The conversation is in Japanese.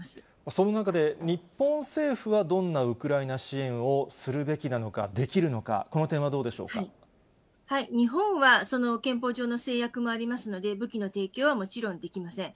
その中で、日本政府はどんなウクライナ支援をするべきなのか、できるのか、日本は、憲法上の制約もありますので、武器の提供はもちろんできません。